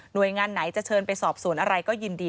โดยงานไหนจะเชิญไปสอบสวนอะไรก็ยินดี